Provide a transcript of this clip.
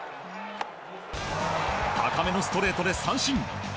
高めのストレートで三振。